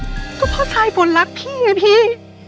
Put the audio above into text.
เพราะพ่อสายฝนรักพี่นะพี่